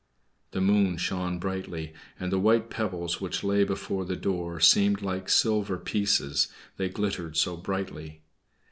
The moon shone brightly, and the white pebbles which lay before the door seemed like silver pieces, they glittered so brightly.